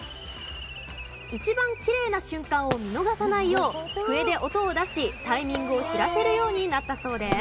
一番きれいな瞬間を見逃さないよう笛で音を出しタイミングを知らせるようになったそうです。